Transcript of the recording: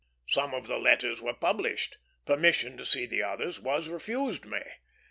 Some of the letters were published; permission to see the others was refused me.